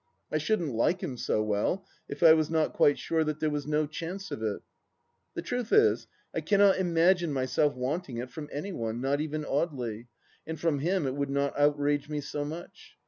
I shouldn't like him so well if I was not quite sure that there was no chance of it. The truth is, I cannot imagine myself wanting it from any one, not even Audely, and from him it would not outrage me so much.